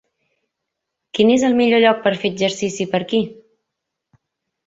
Quin és el millor lloc per fer exercici per aquí?